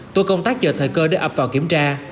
tổ công tác chờ thời cơ để ập vào kiểm tra